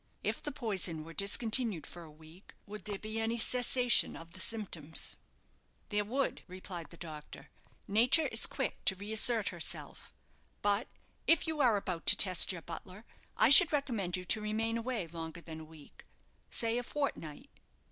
If the poison were discontinued for a week, would there be any cessation of the symptoms?" "There would," replied the doctor. "Nature is quick to reassert herself. But if you are about to test your butler, I should recommend you to remain away longer than a week say a fortnight."